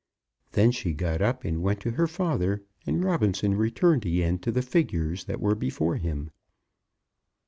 Then she got up, and went to her father, and Robinson returned again to the figures that were before him.